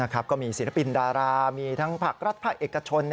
ครับก็มีศิลปินดารามีทั้งภักรัฐพระเอกชน